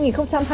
suất nhập khẩu